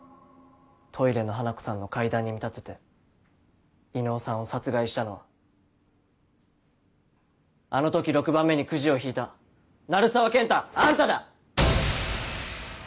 トイレの花子さんの怪談に見立てて伊能さんを殺害したのはあの時６番目にくじを引いた鳴沢研太あんただ！